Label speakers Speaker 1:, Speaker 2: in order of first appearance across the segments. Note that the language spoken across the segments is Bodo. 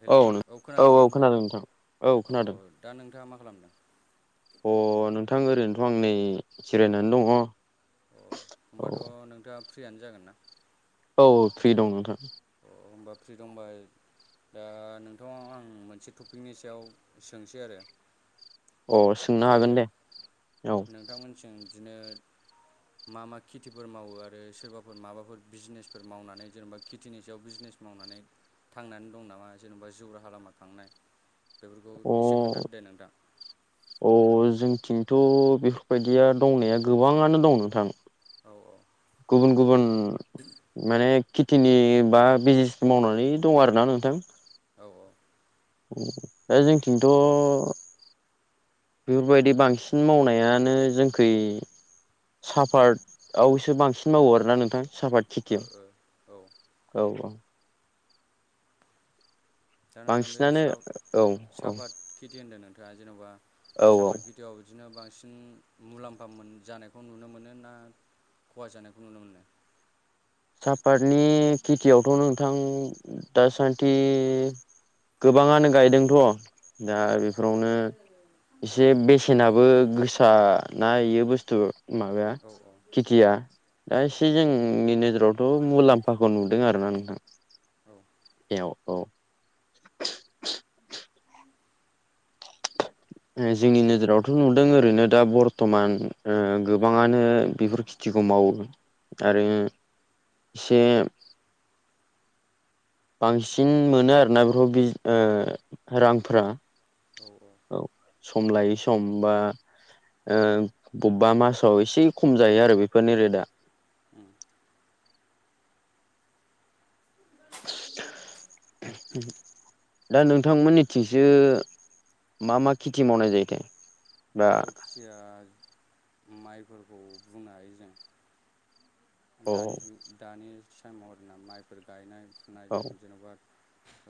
Speaker 1: हेलौ
Speaker 2: औ
Speaker 1: नों
Speaker 2: औ
Speaker 1: खोनादोंना
Speaker 2: औ खोनादों नोंथां औ
Speaker 1: अ
Speaker 2: खोनादों।
Speaker 1: दा नोंथाङा मा खालामदों
Speaker 2: अ नोंथां ओरैनोथ' आं नै जिरायनानै दङ।
Speaker 1: अ होनोमबाथ' नोंथाङा फ्रियानो जागोन ना।
Speaker 2: औ फ्रि दं नोंथां।
Speaker 1: अ होनबा फ्रि दंबाय दा नोंथांव आं मोनसे टपिकनि सायाव सोंसै आरो।
Speaker 2: अ सोंनो
Speaker 1: जे
Speaker 2: हागोन दे औ
Speaker 1: नोंथांमोनसिम बिदिनो मा मा खेथिफोर मावो आरो सोरबाफोर माबाफोर बिजनेसफोर मावनानै जेनेबा खेथिनि सायाव बिजनेस मावनानै थांनानै दं नामा जेनेबा जिउ राहा लामा थांनाय बेफोरखौ
Speaker 2: अ
Speaker 1: एसे खोन्थादो दे नोंथां
Speaker 2: अ जोंथिंथ' बेफोरबायदिया दंनाया गोबाङानो दं नोंथां
Speaker 1: औ औ
Speaker 2: गुबुन गुबुन माने खेथिनि बा बिजनेस मावनानै दङ आरोना नोंथां
Speaker 1: औ औ।
Speaker 2: दा जोंथिंथ' बेफोरबायदि बांसिन मावनायानो जोंखै साफातआवसो बांसिन मावो आरोना नोंथां सापात
Speaker 1: ओ ओ औ
Speaker 2: औ औ
Speaker 1: दा नोंथां बे
Speaker 2: बांसिनानो
Speaker 1: सा
Speaker 2: औ औ
Speaker 1: सापात खिथि होनदों नोंथाङा जेन'बा
Speaker 2: औ औ
Speaker 1: सापात खिथि खिथिआव बिदिनो बांसिन मुलाम्फा मोन जानायखौ नुनो मोनो ना। खहा जानायखौ नुनो मोनो।
Speaker 2: सापातनि खेथियावथ' नोंथां दासान्दि गोबाङानो गायदोंथ' दा बेफोरावनो एसे बेसेनाबो गोसा ना बेयो बुस्थु माबाया
Speaker 1: औ औ
Speaker 2: खेथिया दा एसे
Speaker 1: औ
Speaker 2: जोंनि नोजोरावथ' मुलाम्फाखौ नुदों आरोना नोंथां।
Speaker 1: औ
Speaker 2: औ औ। जोंनि
Speaker 1: आरो
Speaker 2: नोजोरावथ' नुदों ओरैनो दा बर्थ'मान गोबाङानो बेफोरखि खेथिखौ मावो आरो एसे बांसिन मोनो आरोना बे रांफोरा औ सम लाय सम बा ओ बबेबा मासाव एसे खम जायो आरो बेफोरनि रेटआ
Speaker 1: उम [inaudible]
Speaker 2: [inaudible] दा नोंथांमोननिथिंसो मा मा खेथि मावनाय जायोथाय बा
Speaker 1: ओरैनोथ' खेथिया माइफोरखौ बुंनो हायो जों।
Speaker 2: औ
Speaker 1: दानि जुग दानि स महर दिनाव माइफोर गायनाय फुनाय
Speaker 2: औ
Speaker 1: जों जेन'बा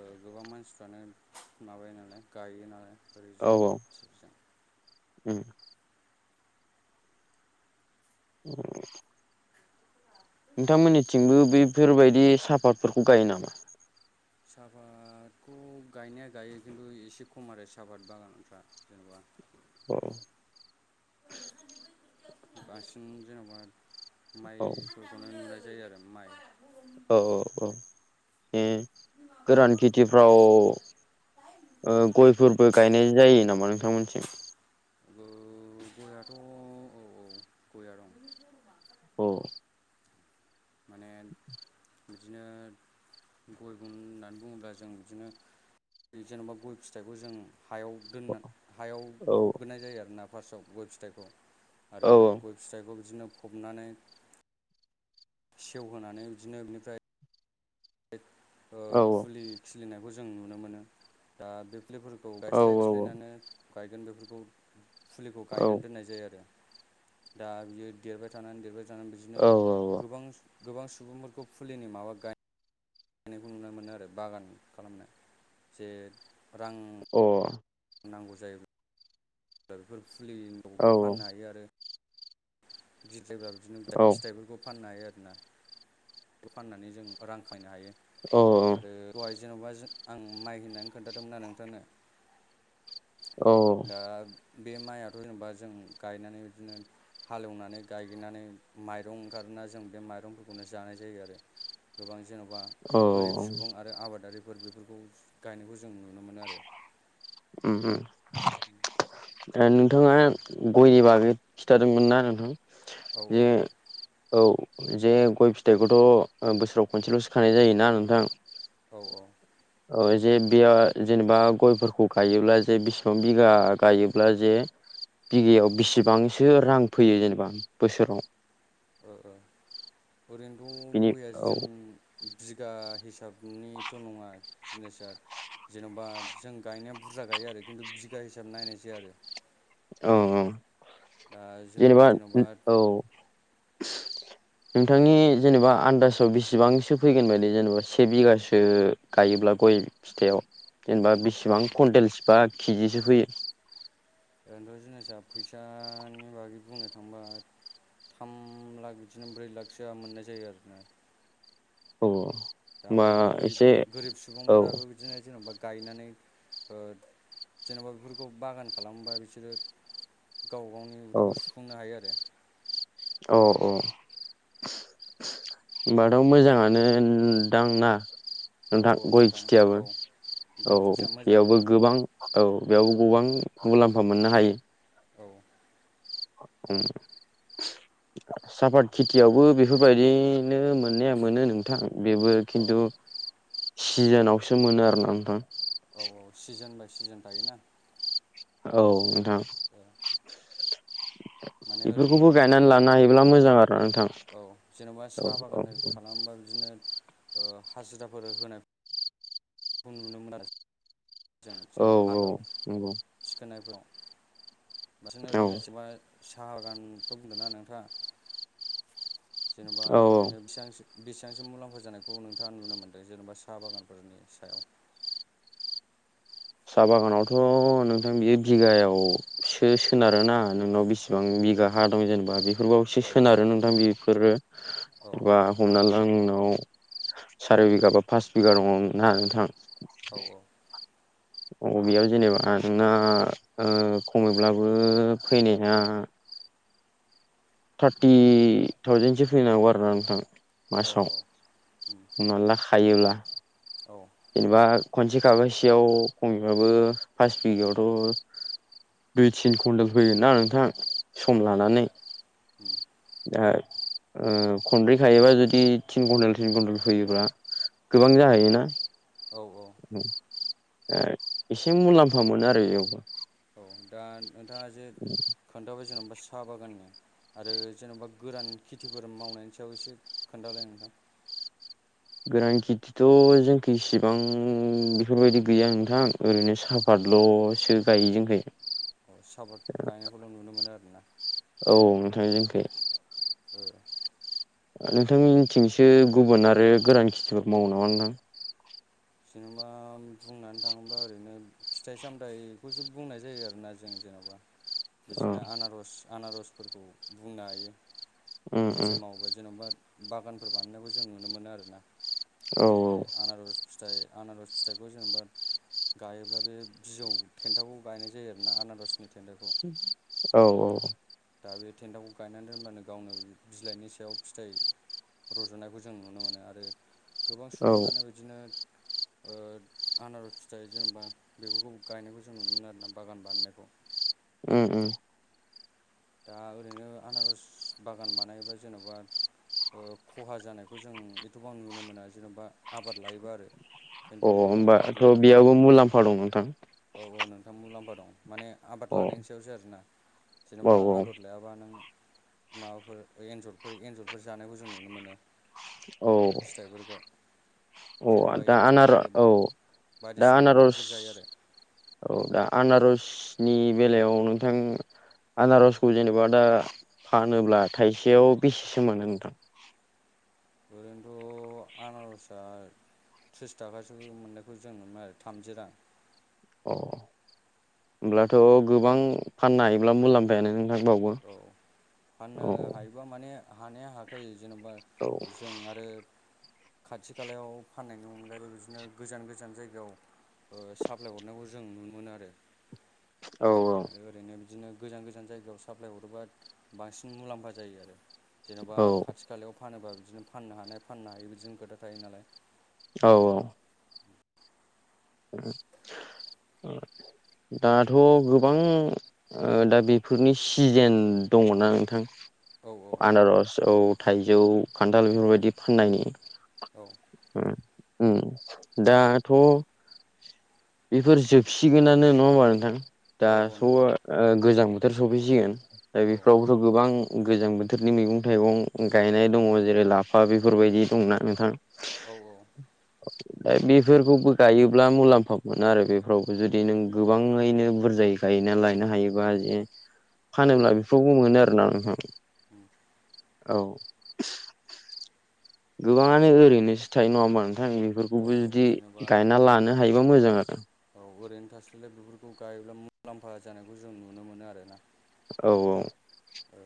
Speaker 1: ओ गोबां मानसिफ्रानो माबायो नालाय गायो नालाय ओरै जोंनिजों
Speaker 2: ओम। [inaudible] नोंथांमोननिथिंबो बैफोरबायदि सापातफोरखौ गायो नामा?
Speaker 1: साहापादखौ गायनाया गायो खिन्थु एसे खम आरो साहापात बागानफ्रा जेनेबा
Speaker 2: अ
Speaker 1: बांसिन जेन'बा
Speaker 2: औ
Speaker 1: माइफोरखौनो नुनाय जायो आरो माइ
Speaker 2: औ औ औ ए गोरान खेथिफ्राव ओ गयफोरबो गायनाय जायो नामा नोंथांमोनथिं
Speaker 1: ओ गययाथ' औ औ। गयया दं
Speaker 2: अ
Speaker 1: माने
Speaker 2: उ
Speaker 1: बिदिनो गय ग होननानै बुङोब्ला जों बिदिनो जेनेबा गय फिथाइखौ जों हायाव दोननानै हायाव
Speaker 2: औ
Speaker 1: फबग्रोनाय जायो आरोना फार्स्टआव गय फिथाइखौ
Speaker 2: औ
Speaker 1: आरो गय फिथाइखौ बिदिनो फबनानै सेवहोनानै बिदिनो बेनिफ्राय बे ओ
Speaker 2: औ
Speaker 1: फुलि खिलिनायखौ जों नुनो मोनो दा बे फुलिफोर खौ
Speaker 2: औ
Speaker 1: गायस्लाय गायस्लायनानै गायगोन बेफोरखौ फुलिखौ
Speaker 2: औ औ
Speaker 1: गायनानै दोननाय जायो आरो। दा बियो देरबाय थानानै देरबाय थानानै बिदिनो
Speaker 2: औ
Speaker 1: गोबां। गोबां सुबुंफोरखौ फुलिनि माबा गाय नायखौ नुनो मोनो आरो बागान खालामनो जे रां
Speaker 2: अ
Speaker 1: नांगौ जायो बेफोर
Speaker 2: अ औ
Speaker 1: फुलिआवबो फाननो हायो आरो गिदिरबा बिदिनो फिथाइफोरखौ फाननो हायो आरोना फाननानै जों रां खायनो हायो
Speaker 2: औ
Speaker 1: आरो दहाय जेन'बा आं माइ होननानै खोन्थादोंमोना नोंथांनो
Speaker 2: औ
Speaker 1: दा बे माइयाथ' जेनेबा जों गायनानै बिदिनो हालेवनानै गायगनानै माइरं ओंखारोना जों बे माइरंफोरखौनो जानाय जायो आरो गोबां जेन'बा
Speaker 2: औ
Speaker 1: गोरिब सुबुं आरो आबादारिफोर बेफोरखौ गायनायखौ जों नुनो मोनो आरो।
Speaker 2: उम उम नोंथाङा गयनि बागै खिन्थादोंमोन ना नोंथां
Speaker 1: औ
Speaker 2: बियो औ जे गय फिथाइखौथ' बोसोराव खनसेल'सो खानाय जायोना नोंथां
Speaker 1: औ औ।
Speaker 2: औ जे बेयो जेनेबा गयफोरखौ गायोब्ला जे बिसेबां बिगा गायोब्ला जे बिगायाव बिसेबांसो रां फैयो जेनेबा बोसोराव
Speaker 1: ओ ओ ओरैनोथ'
Speaker 2: बिनि
Speaker 1: गया
Speaker 2: औ
Speaker 1: जों बिगा हिसाबनिथ' नङा बिजनेसाआ जेन'बा जों गायनाया बुरजा गायो आरो खिन्थु बिगा हिसाबै नायनाय जाया आरो
Speaker 2: औ औ
Speaker 1: दा जों
Speaker 2: जेनेबा
Speaker 1: जेन'बा
Speaker 2: औ
Speaker 1: [unintelligible]
Speaker 2: नोंथांनि जेनेबा आन्दाजाव बेसेबांसो फैगोन बायदि जेनेबा से बिगासो गायोब्ला गय फिथाइाव जेनेबा बेसिबां कुवन्टेलस बा केजिसो फैयो
Speaker 1: ओरैनोथ' जिनिसा फैसानि बागै बुंनो थांबा थाम लाख बिदिनो ब्रै लाखसोआ मोननाय जायो आरोना
Speaker 2: औ औ।
Speaker 1: दामाने गोरिब
Speaker 2: एसे
Speaker 1: गोरिब
Speaker 2: औ
Speaker 1: सुबुंफोराबो बिदिनो जेनेबा गायनानै ओ जेन'बा बेफोरखौ बागान खालामोबा बिसोरो गाव गावनि
Speaker 2: औ
Speaker 1: उदैखौ सुफुंनो हायो आरो
Speaker 2: औ औ। होनबाथ' मोजाङानो दांना
Speaker 1: औ
Speaker 2: नोंथां
Speaker 1: औ
Speaker 2: गय खेथियाबो
Speaker 1: औ गय
Speaker 2: औ
Speaker 1: खेथिया मोजां
Speaker 2: बेयावबो
Speaker 1: नोंथां
Speaker 2: गोबां औ बेयावबो गोबां मुलाम्फा मोननो हायो।
Speaker 1: औ।
Speaker 2: सापात खेथियावबो बेफोरबायदिनो मोन मोननाया मोनो नोंथां बेबो
Speaker 1: औ
Speaker 2: खिन्थु सिजोनावसो मोनो आरोना नोंथां।
Speaker 1: औ औ सिजोन बाय सिजोन थायोना
Speaker 2: औ नोंथां।
Speaker 1: [unintelligible] माने ओरैनोथ'
Speaker 2: बेफोरखौबो
Speaker 1: नोंथां
Speaker 2: गायनानै
Speaker 1: जेन'बा
Speaker 2: लानो हायोब्ला मोजां आरो नोंथां।
Speaker 1: औ जेन'बा
Speaker 2: औ
Speaker 1: साहा
Speaker 2: औ
Speaker 1: बागान खालामोबा बिदिनो हाजिराफोर होनाय [unintelligible] जों
Speaker 2: औ
Speaker 1: जेनेबा
Speaker 2: औ
Speaker 1: हादाव
Speaker 2: नंगौ
Speaker 1: सिखोननायफ्राव बांसिन
Speaker 2: औ
Speaker 1: ओरैनो जबा साहा गानखौ बुंदों ना नोंथाङा जेनेबा
Speaker 2: औ
Speaker 1: ओरैनो बेसेबां बेसेबांसो मुलाम्फा जानायखौ नोंथाङा नुनो मोन्दों जेनेबा साहा बागानफोरनि सायाव
Speaker 2: साहा बागानावथ' नोंथां बियो बिगायावसो सोनारोना नोंनाव बेसेबां बिसेबां बिगा हा दं जेनेबा बेफोरबावसो
Speaker 1: औ औ
Speaker 2: सोनारो नोंथां बेफोरो
Speaker 1: औ औ
Speaker 2: बा हमना आंनाव सारिाय बिगा बा पास बिगा दङनो ना नोंथां
Speaker 1: औ औ
Speaker 2: बबेयाव जेनेबा नोंना खमैब्लाबो फैनाया थार्टि थावजेनसो फैनांगौ आरोोना नोंथां
Speaker 1: औ औ
Speaker 2: मासाव
Speaker 1: उम
Speaker 2: उनाव लाख हायोब्ला
Speaker 1: औ।
Speaker 2: जेनेबा खनसे खाबासेयाव खमैबाबो फास बिगायावथ' दुइ तिन कुन्टेल फैयोन ना नोंथां
Speaker 1: औ
Speaker 2: सम लानानै
Speaker 1: [inaudible]
Speaker 2: दा खनब्रै खायोबा जुदि तिन घन्टेल तिन घन्टेल फैयोब्ला गोबां जाहैयोना।
Speaker 1: औ-औ
Speaker 2: एसे मुलाम्फा मोनो आरो इयावबो
Speaker 1: औ दा नोंथाङा जे खोन्थाबाय जेनेबा साहा बागान ने आरो जेन'बा गोरान खेथिफोर मावनायनि सायाव एसे खोन्थालाय नोंथां।
Speaker 2: गोरान खेथिथ' जोंखिसिबां बेफोरबायदि गैया नोंथां ओरैनो साहाफातल'सो गायो जोंखै
Speaker 1: सापात गायनायखौल' नुनो मोनो आरो ना।
Speaker 2: औ नोंथांनि जोंखै
Speaker 1: [unintelligible]
Speaker 2: नोंथांनि मिनथिंसो गुबुन आरो गोरान खिथिफोर मावो नामा नोंथां?
Speaker 1: जेनेबा बुंनानै थाङोबा ओरैनो फिथाइ सामथायाइखौसो बुंनाय जायो आरोना जों जेन'बा
Speaker 2: औ
Speaker 1: बिदिनो आनारस आनारसफोरखौ बुंनो हायो।
Speaker 2: उम उम
Speaker 1: खेथि मावबा जेनेबा बागानफोर बानायनायबो जों नुनो मोनो आरोना।
Speaker 2: औ
Speaker 1: जे आनारस फिथाइ आनारस फिथाइखौ जेनेबा गायोब्ला बे बिजौ थेन्थाखौ गायनाय जायो आरोना आनारसनि थेन्थाखौ
Speaker 2: औ- औ
Speaker 1: दा बे थेन्थाखौ गायनानै दोनब्लानो गावनो बिलाइनि सायाव फिथाइ रज'नायखौ जों नुनो मोनो आरो गोबां
Speaker 2: औ
Speaker 1: सुबुंफ्रानो बिदिनो आनारस फिथाइ जेनेबा बेफोरखौ गायनायखौ जों नुनो मोनो आरोना बागान बानायनायखौ
Speaker 2: उम
Speaker 1: दा ओरैनो आनारस बागान बानायोबा जेन'बा खहा जानायखौ जों एथ'बां नुनो मोना जेन'बा आबाद लायोबा आरो खिन्थु
Speaker 2: अ
Speaker 1: आबाद
Speaker 2: होमबाथ' बेयावबो मुलाम्फा दं नोंथां।
Speaker 1: औ-औ नोंथां मुलाम्फा दं माने आबाद
Speaker 2: अ
Speaker 1: लानायनि सायावसो आरोना जेन'बा
Speaker 2: औ
Speaker 1: आदर लाया मा नों माबाफोर एन्जरफोर एन्जरफोर जानायखौ जों नुनो मोनो।
Speaker 2: औ
Speaker 1: फिथाइफोरखौ
Speaker 2: अ
Speaker 1: जेनेबा
Speaker 2: दा
Speaker 1: एन्जर
Speaker 2: आनार
Speaker 1: आरो
Speaker 2: औ दा
Speaker 1: बायदिसिना
Speaker 2: आनारस
Speaker 1: एम्फौफोर जायो आरो
Speaker 2: औ दा आनारसनि बेलायाव नोंथां आनारसखौ जेनेबा दा फानोब्ला थाइसेयाव बेसेसो मोनो नोंथां?
Speaker 1: ओरैनोथ' आनारसआ थ्रिस थाखासो मोननायखौ जों मोननायखौ जोंनो मारै थामजि रां
Speaker 2: अ होमब्लाथ' गोबां फाननो हायोब्ला मुलाम्फायानो नोंथांनावबो
Speaker 1: औ फाननो हायोबा माने हानाया हाखायो जेनेबा
Speaker 2: औ
Speaker 1: जों आरो खाथि-खालायाव फाननायनि अनगायैबो बिदिनो गोजान गोजान जायगायाव साप्लाय हरनायखौ जों नुनो मोनो आरो
Speaker 2: औ
Speaker 1: आरो ओरैनो बिदिनो गोजान गोजान जायगायाव साप्लाइ हरोबा बांसिन मुलाम्फा जायो आरो जेन'बा
Speaker 2: औ
Speaker 1: खाथि खाथि खालायाव फानोबा बिदिनो फाननो हानाय फाननो हायो बिदिनो खोथा थायो नालाय।
Speaker 2: औ-औ औ दाथ' गोबां दा बेफोरनि सिजेन दङना नोंथां।
Speaker 1: औ नोंथां
Speaker 2: आनारस औ थाइजौ खान्थाल बेफोरबायदि
Speaker 1: औ
Speaker 2: फाननायनि [unintelligible] दाथ' बेफोर जोबसिगोनानो नंङा होमबा नोंथां दा
Speaker 1: औ औ नोंथां
Speaker 2: थ' गोजां बोथोर सफैसिगोन। दा
Speaker 1: औ
Speaker 2: बेफोरावबोथ' गोबां गोजां बोथोरनि मैगं-थाइगं गायनाय दंङ जेरै- लाफा बेफोरबायदि दंना नोंथां?
Speaker 1: औ औ
Speaker 2: ओमफ्राय बेफोरखौबो गायोब्ला मुलाम्फा मोनो आरो बेफोराव जुदि नों
Speaker 1: औ
Speaker 2: गोबांङैनो बुरजायै गायनानै लायनो हायोबा जे फानोब्ला बेफोरावबो मोनो आरोना नोंथां।
Speaker 1: उम
Speaker 2: औ गोबांङानो ओरैनोसो थायो नंङा होमबा नोंथां?
Speaker 1: औ
Speaker 2: बेफोरखौबो
Speaker 1: औ
Speaker 2: जुदि
Speaker 1: जेनेबा
Speaker 2: गायना लानो हायोबा मोजां आरो।
Speaker 1: औ ओरैनो थास्लायलाय बेफोरखौ गायोब्ला मुलाम्फा जानायखौ जों नुनो मोनो आरो ना।
Speaker 2: औ औ
Speaker 1: औ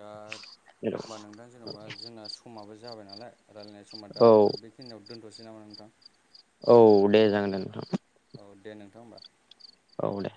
Speaker 1: दा होनबा नोंथां जेन'बा जोंना समाबो जाबाय नालाय रायलायनाय समा
Speaker 2: औ
Speaker 1: दा बे खिनियाव दोनथ'सै नामा नोंथां?
Speaker 2: औ दे जागोन दे नोंथां।
Speaker 1: औ दे नोंथां होमबा।
Speaker 2: औ दे